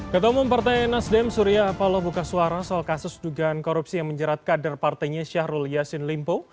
ketemu partai nasdem surya paloh buka suara soal kasus dugaan korupsi yang menjerat kader partainya syahrul yassin limpo